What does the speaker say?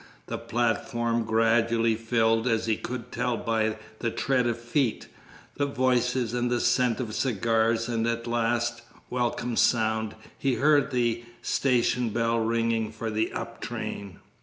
The platform gradually filled, as he could tell by the tread of feet, the voices, and the scent of cigars, and at last, welcome sound, he heard the station bell ringing for the up train.